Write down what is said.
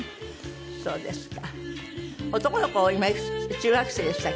そうですか。